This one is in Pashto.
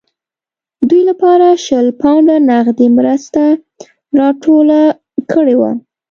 دوی لپاره شل پونډه نغدي مرسته راټوله کړې وه.